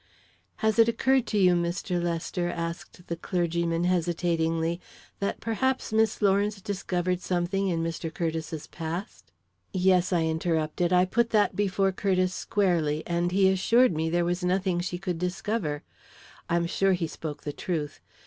"Has it occurred to you, Mr. Lester," asked the clergyman hesitatingly, "that perhaps Miss Lawrence discovered something in Mr. Curtiss's past " "Yes," I interrupted. "I put that before Curtiss squarely, and he assured me there was nothing she could discover. I'm sure he spoke the truth.